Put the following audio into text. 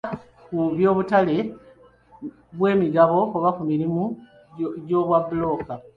Ebikwata ku by'obutale bw'emigabo oba ku mirimu gy'obwabbulooka.